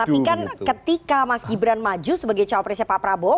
tapi kan ketika mas gibran maju sebagai cawapresnya pak prabowo